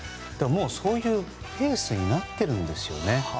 そういうペースになってるんですよね。